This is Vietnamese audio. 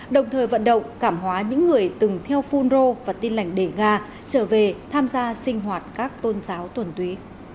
đồng thời vận động cảm hóa những người từng theo phun rô và tin lành đề ga trở về tham gia sinh hoạt các tôn giáo tuần túy